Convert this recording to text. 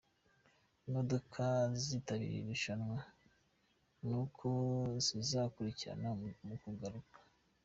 Imodoka ziztabira iri rushanwa n’uko zizakurikirana mu guhaguruka.